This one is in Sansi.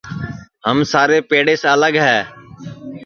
ہم سارے پیڑیس الگے ہے